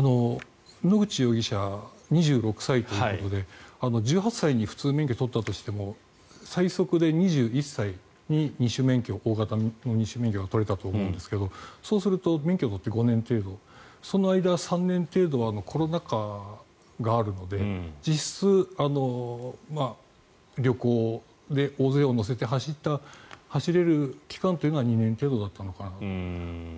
野口容疑者２６歳ということで１８歳で普通免許取ったとしても最速で２２歳で二種免許、大型の二種免許が取れたと思うんですがそうすると免許を取って５年その間、３年程度はコロナ禍があるので実質、旅行で大勢を乗せて走れる期間というのは２年程度だったのかなと。